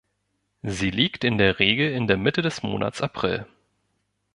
Sie liegt in der Regel in der Mitte des Monats April.